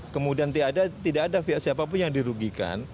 kemudian tidak ada pihak siapapun yang dirugikan